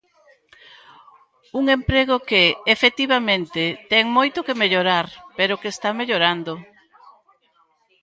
Un emprego que, efectivamente, ten moito que mellorar pero que está mellorando.